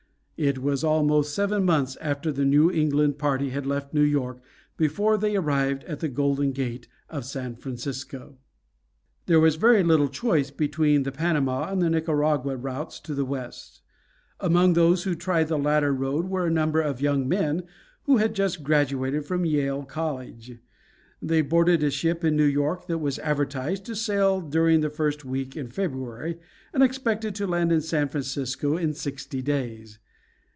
It was almost seven months after that New England party had left New York before they arrived at the Golden Gate of San Francisco. There was very little choice between the Panama and the Nicaragua routes to the West. Among those who tried the latter road were a number of young men who had just graduated from Yale College. They boarded a ship in New York that was advertised to sail during the first week in February, and expected to land in San Francisco in sixty days.